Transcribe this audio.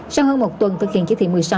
sau hơn một tuần thực hiện chỉ thị một mươi sáu